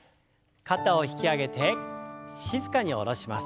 肩を引き上げて静かに下ろします。